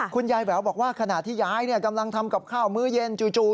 คุณยายแหววบอกว่าขณะที่ยายกำลังทำกับข้าวมื้อเย็นจู่